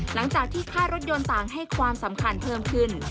หลังจากที่ค่ายรถยนต์ต่างให้ความสำคัญเพิ่มขึ้น